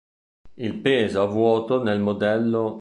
Il peso a vuoto nel mod.